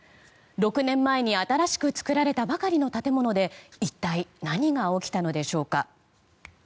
６年前に新しく作られたばかりの建物で一体何が起きたのでしょうか。